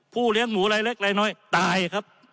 ผู้เลี้ยงหมูไร้เล็กไร้น้อยตายครับ